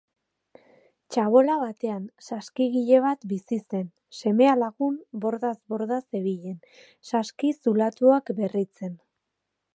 Txabola batean saskigile bat bizi zen; semea lagun, bordaz borda zebilen, saski zulatuak berritzen.